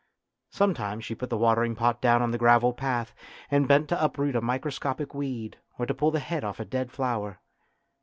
Some times she put the watering pot down on the gravel path, and bent to uproot a microscopic weed or to pull the head off a dead flower.